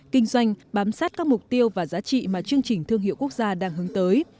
kinh doanh bám sát các mục tiêu và giá trị mà chương trình thương hiệu quốc gia đang hướng tới